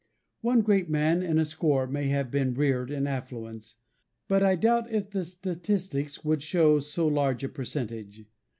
One great man in a score may have been reared in affluence, but I doubt if the statistics would show so large a percentage.